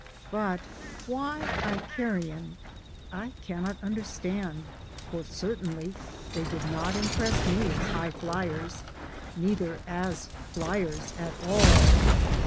But why Icarian? I cannot understand, for certainly they did not impress me as high flyers, neither as flyers at all.